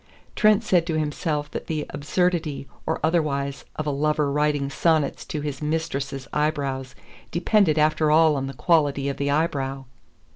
Trent said to himself that the absurdity or otherwise of a lover writing sonnets to his mistress's eyebrow depended after all on the quality of the eyebrow.